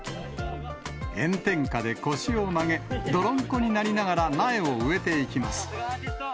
炎天下で腰を曲げ、泥んこになりながら苗を植えていきます。